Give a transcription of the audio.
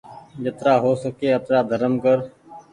جترآ هو سڪي آترا ڌرم ڪر